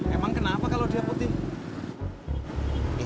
emang kenapa kalau dia putih